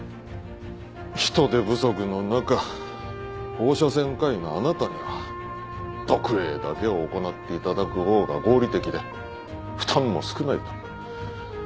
人手不足の中放射線科医のあなたには読影だけを行っていただく方が合理的で負担も少ないと。